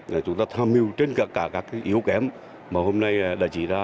để chúng ta tham mưu trên cả các yếu kém mà hôm nay đã chỉ ra